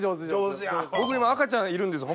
僕今赤ちゃんいるんです